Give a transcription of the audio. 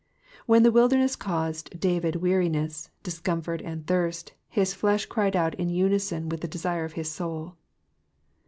When the wilderness caused David weariness, discomfort, and thirst, his flesh cried out in unison with the desire of his soul.